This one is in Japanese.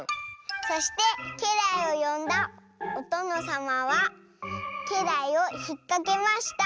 「そしてけらいをよんだおとのさまはけらいをひっかけました。